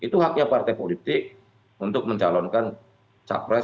itu haknya partai politik untuk mencalonkan capres atau cawapres